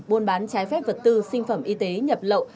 buôn bán trái phép vật tư sinh phẩm y tế nhập lậu